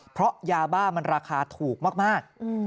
เพราะยาบ้ามันราคาถูกมาก